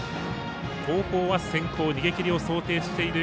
東邦は先行逃げ切りを想定している